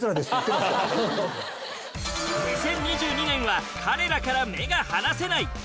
２０２２年は彼らから目が離せない。